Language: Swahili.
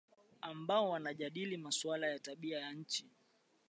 ambao wanajadili masuala tabia ya nchi